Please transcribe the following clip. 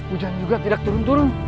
hujan juga tidak turun turun